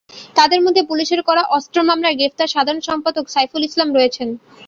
তাঁদের মধ্যে পুলিশের করা অস্ত্র মামলায় গ্রেপ্তার সাধারণ সম্পাদক সাইফুল ইসলাম রয়েছেন।